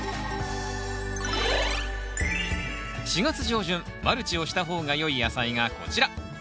４月上旬マルチをした方がよい野菜がこちら。